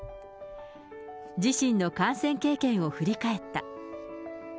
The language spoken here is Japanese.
自身の感染経験を振り返った。